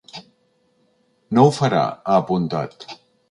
No ho farà, ha apuntat.